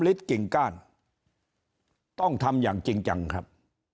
ฤทธิกิ่งก้านต้องทำอย่างจริงจังครับ